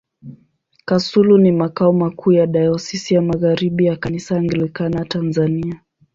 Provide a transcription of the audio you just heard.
Kasulu ni makao makuu ya Dayosisi ya Magharibi ya Kanisa Anglikana Tanzania.